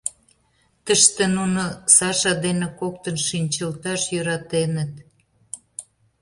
Тыште нуно Саша дене коктын шинчылташ йӧратеныт.